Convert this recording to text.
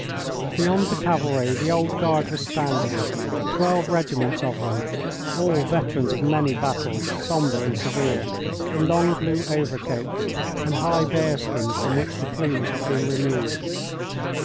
Beyond the cavalry the Old Guard was standing, twelve regiments of them, all veterans of many battles, sombre and severe, in long blue overcoats and high bearskins from which the plumes had been removed.